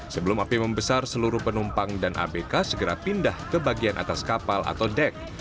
sebelum api membesar seluruh penumpang dan abk segera pindah ke bagian atas kapal atau dek